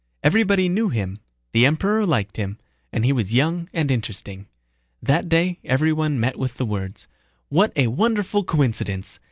Everybody knew him, the Emperor liked him, and he was young and interesting. That day everyone met with the words: "What a wonderful coincidence!